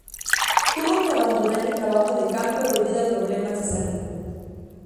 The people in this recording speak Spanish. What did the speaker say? Tuvo que abandonar el trabajo de campo debido a problemas de salud.